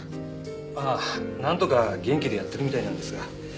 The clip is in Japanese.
まあなんとか元気でやっているみたいなんですが。